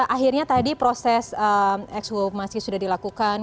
akhirnya tadi proses ex hukum masih sudah dilakukan